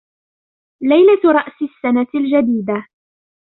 ليلة رأس السنة الجديدة.